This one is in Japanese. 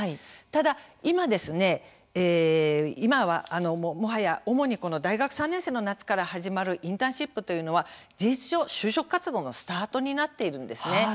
ただ、今は主に大学３年生の夏から始まるインターンシップというのは事実上、就職活動のスタートになっているんですね。